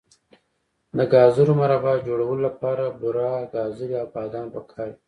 د ګازرو مربا جوړولو لپاره بوره، ګازرې او بادام پکار دي.